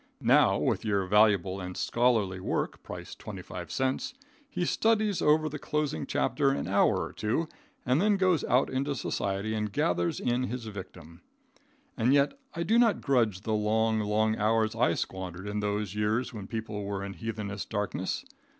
Now, with your valuable and scholarly work, price twenty five cents, he studies over the closing chapter an hour or two, then goes out into society and gathers in his victim. And yet I do not grudge the long, long hours I squandered in those years when people were in heathenish darkness.